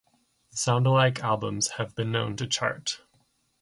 Sound-alike albums have been known to chart.